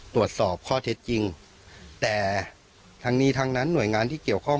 ตรวจสอบข้อเท็จจริงแต่ทั้งนี้ทั้งนั้นหน่วยงานที่เกี่ยวข้อง